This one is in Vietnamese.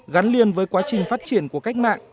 gắn liền với quá trình phát triển của cách mạng